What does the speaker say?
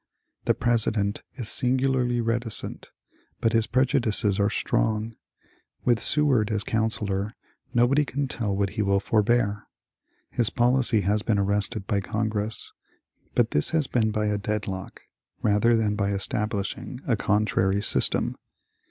The President is singularly reticent, but his prejudices are strong. With Seward as counsellor, nobody can tell what he will forbear. His policy has been arrested by Congress, but this has been by a deadlock rather than by establishing a contrary system.